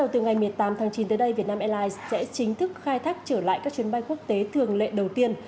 từ ngày một mươi tám tháng chín tới đây vietnam airlines sẽ chính thức khai thác trở lại các chuyến bay quốc tế thường lệ đầu tiên